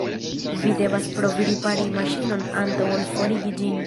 Vi devas provi ripari maŝinon antaŭ ol forigi ĝin.